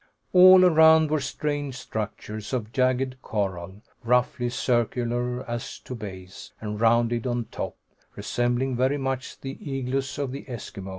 All around were strange structures of jagged coral, roughly circular as to base, and rounded on top, resembling very much the igloos of the Eskimos.